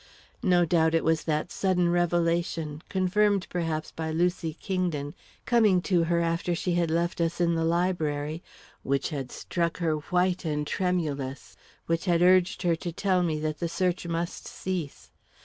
No doubt, it was that sudden revelation, confirmed, perhaps, by Lucy Kingdon, coming to her after she had left us in the library, which had struck her white and tremulous, which had urged her to tell me that the search must cease.